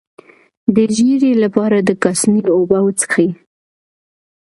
د ژیړي لپاره د کاسني اوبه وڅښئ